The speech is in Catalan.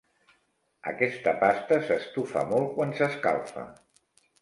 Aquesta pasta s'estufa molt quan s'escalfa.